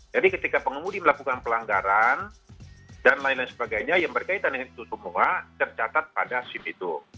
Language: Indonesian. jadi ketika pengumudi melakukan pelanggaran dan lain lain sebagainya yang berkaitan dengan itu semua tercatat pada sim itu